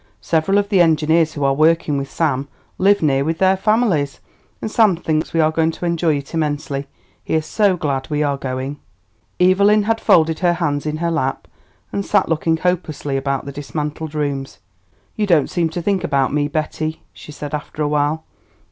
"Several of the engineers who are working with Sam live near with their families, and Sam thinks we are going to enjoy it immensely. He is so glad we are going." Evelyn had folded her hands in her lap and sat looking hopelessly about the dismantled rooms. "You don't seem to think about me, Betty," she said, after a while.